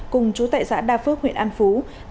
cùng trú tại xã đa phước huyện an phú